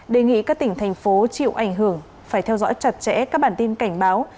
đề nghị các tỉnh thành phố chịu ảnh hưởng phải theo dõi chặt chẽ các bản tin cảnh báo